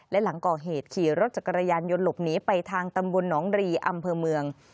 และหลังก่อเหตุขี่รถจักรยานยนต์หลบหนีไปทางตำบลหนองรีอำเภอเมือง